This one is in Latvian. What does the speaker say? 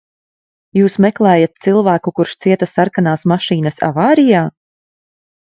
Jūs meklējat cilvēku, kurš cieta sarkanās mašīnas avārijā?